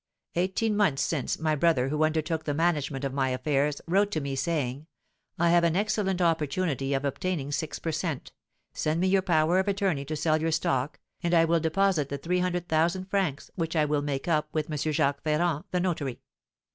Eighteen months since, my brother, who undertook the management of my affairs, wrote to me, saying, "I have an excellent opportunity of obtaining six per cent.; send me your power of attorney to sell your stock, and I will deposit the three hundred thousand francs, which I will make up, with M. Jacques Ferrand, the notary."